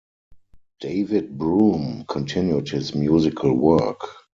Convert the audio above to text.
David Broom continued his musical work.